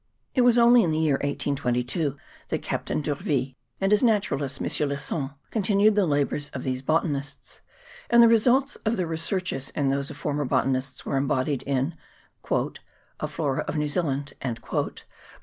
It was only in the year 1822 that Captain D'Urville, and his naturalist, M. Lesson, continued the labours of these botanists ; and the result of their researches and those of former botanists were embodied in a ' Flora of New Zea land/ by M.